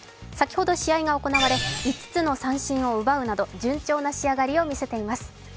先ほど試合が行われ５つの三振を奪うなど順調な仕上がりを見せています。